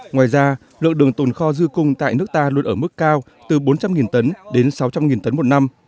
ngoài ra lượng đường tồn kho dư cung tại nước ta luôn ở mức cao từ bốn trăm linh tấn đến sáu trăm linh tấn một năm